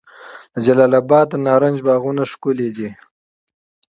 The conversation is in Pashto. د جلال اباد د نارنج باغونه ښکلي دي.